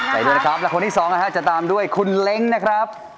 ไปด้วยนะครับและคนที่สองนะฮะจะตามด้วยคุณเล้งนะครับ